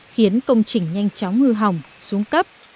khiến công trình nhanh chóng hư hỏng xuống cấp